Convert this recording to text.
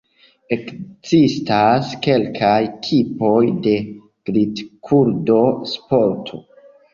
Ekzistas kelkaj tipoj de glitkurado-sporto.